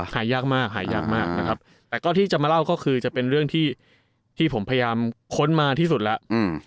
หายากมากแต่ก็ที่จะมาเล่าก็คือจะเป็นเรื่องที่ผมพยายามค้นมาที่สุดแล้ว